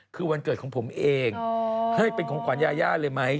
คือวันเกิดของผมเองให้เป็นของขวัญยาย่าเลยไหม